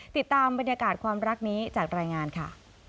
ติดตามบรรยากาศความรักนี้จากรายงานค่ะ